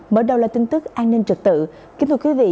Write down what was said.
kính thưa quý vị